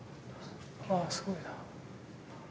あすごいな。